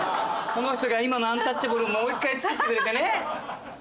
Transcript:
この人が今のアンタッチャブルをもう一回作ってくれてね。